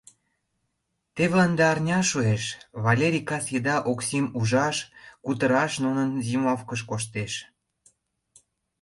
Теве ынде арня шуэш — Валерий кас еда Оксим ужаш, кутыраш нунын зимовкыш коштеш.